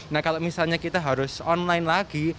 nah kalau misalnya kita harus online lagi